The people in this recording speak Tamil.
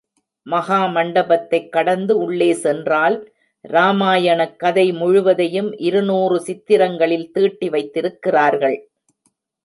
மகா மண்டபத்தைக் கடந்து உள்ளே சென்றால் ராமாயணக் கதை முழுவதையும் இருநூறு சித்திரங்களில் தீட்டி வைத்திருக்கிறார்கள்.